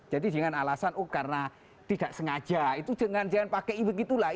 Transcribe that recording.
jadi dengan alasan oh karena tidak sengaja itu jangan pakai begitu lah